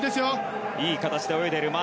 いい形で泳いでいる。